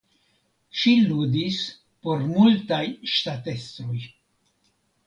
Ŝi ludis por multaj ŝtatestroj.